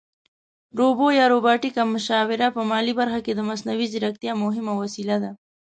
روبو یا روباټیکه مشاوره په مالي برخه کې د مصنوعي ځیرکتیا مهمه وسیله ده